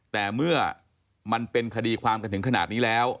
แต่เมื่อมันเป็นคดีความกันถึงขนาดนี้แล้ว